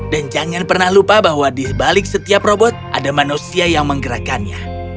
dan jangan pernah lupa bahwa di balik setiap robot ada manusia yang menggerakkannya